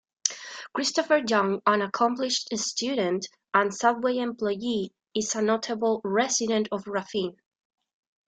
Christopher Young, an accomplished student and Subway employee, is a notable resident of Raphine.